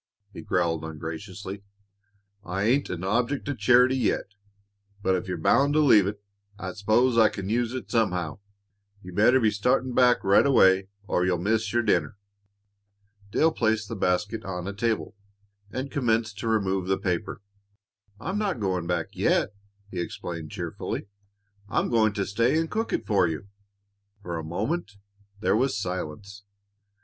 he growled ungraciously. "I ain't an object o' charity yet, but if you're bound to leave it, I s'pose I can use it somehow. You'd better be startin' back right away or you'll miss your dinner." Dale placed the basket on a table and commenced to remove the paper. "I'm not going back yet," he explained cheerfully. "I'm going to stay and cook it for you." For a moment there was silence.